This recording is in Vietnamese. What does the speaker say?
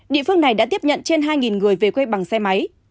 địa phương này đã tiếp nhận trên hai người về quê bằng xe máy